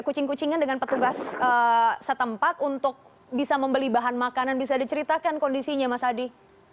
kucing kucingan dengan petugas setempat untuk bisa membeli bahan makanan bisa diceritakan kondisinya mas adi